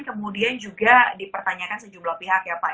kemudian juga dipertanyakan sejumlah pihak ya pak